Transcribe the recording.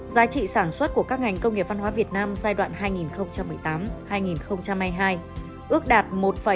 giá trị sản xuất của các ngành công nghiệp văn hóa việt nam giai đoạn hai nghìn một mươi tám hai nghìn hai mươi hai